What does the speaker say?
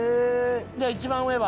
じゃあ一番上は？